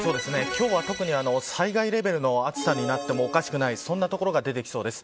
今日は特に災害レベルの暑さになってもおかしくないような所が出てきそうです。